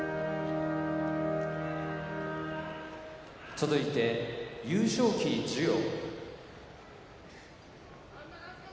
続いて優勝旗授与。